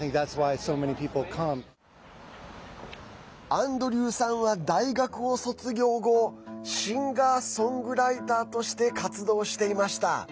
アンドリューさんは大学を卒業後シンガーソングライターとして活動していました。